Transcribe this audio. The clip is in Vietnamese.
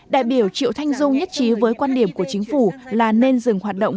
đại biểu triệu thanh dung nhất trí với quan điểm của chính phủ là nên dừng hoạt động